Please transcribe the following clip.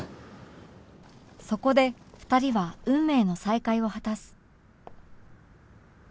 そこで２人は運命の再会を果たす